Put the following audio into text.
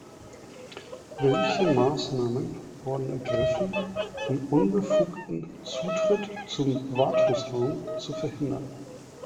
Welche Maßnahmen wurden ergriffen, um unbefugten Zutritt zum Wartungsraum zu verhindern?